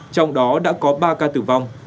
trong đó đã có ba ca tử vong